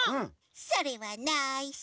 それはないしょ。